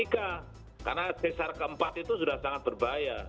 karena cesar keempat itu sudah sangat berbahaya